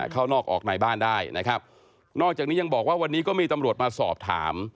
เข้านอกออกในบ้านได้นะครับนอกจากนี้ยังบอกว่าวันนี้ก็มีตำรวจมาสอบถาม